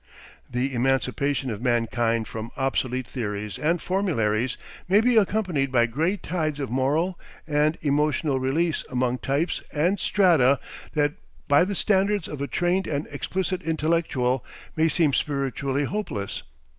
The emancipation of mankind from obsolete theories and formularies may be accompanied by great tides of moral and emotional release among types and strata that by the standards of a trained and explicit intellectual, may seem spiritually hopeless.